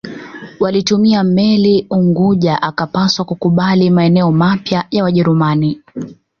Walituma meli Unguja akapaswa kukubali maeneo mapya ya Wajerumani